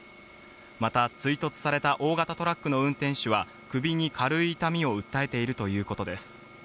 また追突された大型トラックの運転手は首に軽い痛みを訴えているということです。